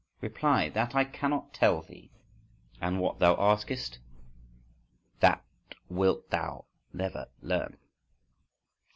Reply: "That I cannot tell thee. And what thou askest, That wilt thou never learn."